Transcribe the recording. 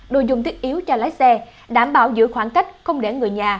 đồ dùng thiết yếu cho lái xe đảm bảo giữ khoảng cách không để người nhà